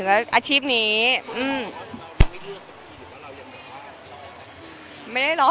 เนื้อหาดีกว่าน่ะเนื้อหาดีกว่าน่ะ